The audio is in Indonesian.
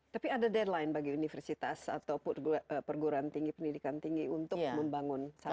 tapi ada deadline bagi universitas atau perguruan tinggi pendidikan tinggi untuk membangun satu